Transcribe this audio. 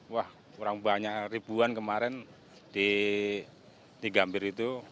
wah kurang banyak ribuan kemarin di gambir itu